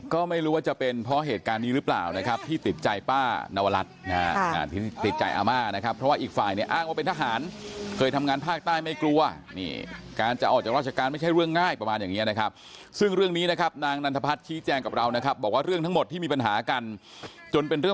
ก็ไม่รู้ว่าจะเป็นเพราะเหตุการณ์นี้หรือเปล่านะครับที่ติดใจป้านวรัฐนะฮะติดใจอาม่านะครับเพราะว่าอีกฝ่ายเนี่ยอ้างว่าเป็นทหารเคยทำงานภาคใต้ไม่กลัวนี่การจะออกจากราชการไม่ใช่เรื่องง่ายประมาณอย่างนี้นะครับซึ่งเรื่องนี้นะครับนางนันทพัฒน์ชี้แจงกับเรานะครับบอกว่าเรื่องทั้งหมดที่มีปัญหากันจนเป็นเรื่อง